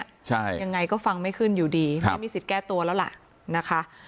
ใช่ยังไงก็ฟังไม่ขึ้นอยู่ดีไม่มีสิทธิ์แก้ตัวแล้วล่ะนะคะ